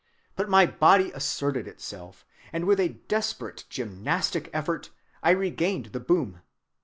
But my body asserted itself, and with a desperate gymnastic effort I regained the boom.